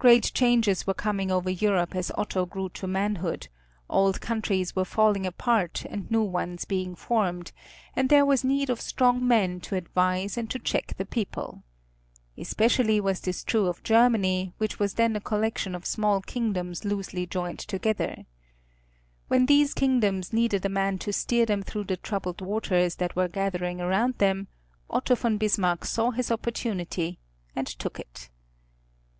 Great changes were coming over Europe as Otto grew to manhood; old countries were falling apart, and new ones being formed, and there was need of strong men to advise and to check the people. Especially was this true of Germany, which was then a collection of small kingdoms loosely joined together. When these kingdoms needed a man to steer them through the troubled waters that were gathering around them Otto von Bismarck saw his opportunity and took it.